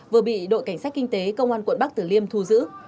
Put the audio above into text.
vừa bị đội cảnh sát kinh tế công an quận bắc tử liêm thu giữ